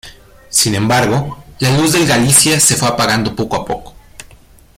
Sin embargo, la luz del Galicia se fue apagando poco a poco.